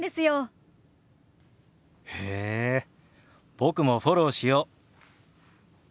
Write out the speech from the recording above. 僕もフォローしよう。